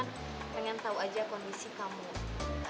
aku sekarang udah penuh kok kondisi kamu baik baik aja